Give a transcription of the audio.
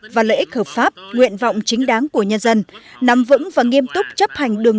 và lợi ích hợp pháp nguyện vọng chính đáng của nhân dân nắm vững và nghiêm túc chấp hành đường